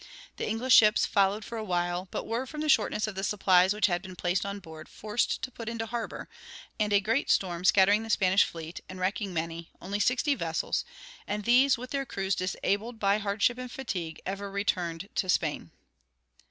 The English ships followed for a while, but were, from the shortness of the supplies which had been placed on board, forced to put into harbor; and a great storm scattering the Spanish fleet, and wrecking many, only 60 vessels, and these with their crews disabled by hardship and fatigue, ever returned to Spain.